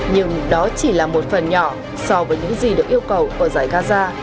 nhưng đó chỉ là một phần nhỏ so với những gì được yêu cầu ở giải gaza